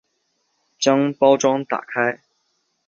将包装打开